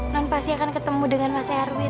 non pasti akan ketemu dengan mas erwin